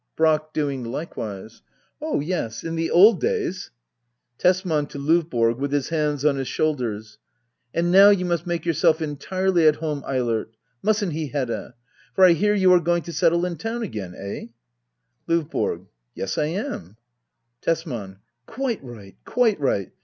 Brack. [Doing likewise.] Oh yes, — in the old days Tesman. [To LOvBORO, with his hands on his shoulders,] And now you must make yourself entirely at home, Eilert ! Musn't he, Hedda ?— For I hear you are going to settle in town again ? Eh ? LOVBORO. Yes, I am. Tesman. Quite right, quite right.